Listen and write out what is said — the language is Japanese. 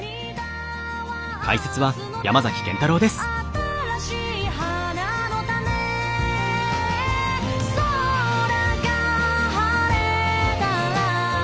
「新しい花の種」「空が晴れたら」